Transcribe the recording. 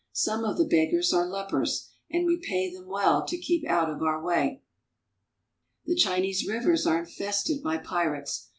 Some of the beggars are lepers, and we pay them well to keep out of our way. The Chinese rivers are infested by pirates.